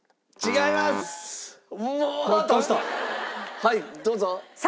はいどうぞ。